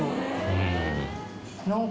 うん。